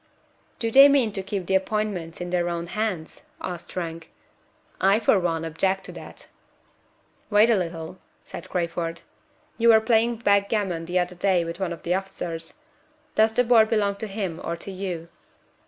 "Do they mean to keep the appointments in their own hands?" asked Frank. "I for one object to that." "Wait a little," said Crayford. "You were playing backgammon the other day with one of the officers. Does the board belong to him or to you?"